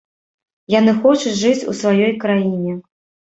Яны хочуць жыць у сваёй краіне.